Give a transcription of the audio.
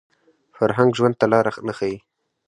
فرهنګ ژوند ته لاره نه ښيي